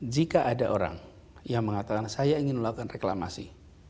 jika ada orang yang mengatakan saya ingin melakukan reklamasi